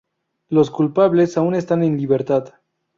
Los culpables aún están en libertad.